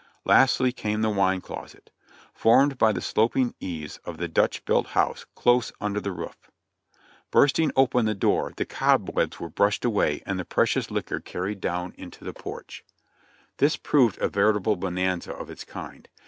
Lastly came the wine closet, formed by the sloping eaves of the Dutch built house, close under the roof. Bursting open the door, the cobwebs were brushed away and the precious liquor carried down THE FAT AND IvEAN OF A SOLDIFr's LIFE 119 into the porch. This proved a veritable bonanza of its kind.